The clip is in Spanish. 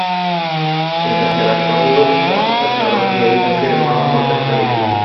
Mientras que el actor Luke Ford declaró que había firmado por tres películas.